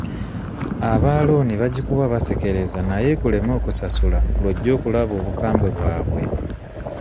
Aba looni bagikuwa basekereza naye ekuleme okusasula lw'ojja okulaba obukambwe bwabwe.